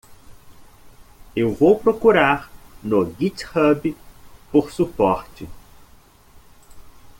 Eu vou procurar no Github por suporte.